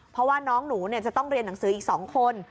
เพราะว่าน้องหนูจะต้องเรียนหนังสืออีก๒คน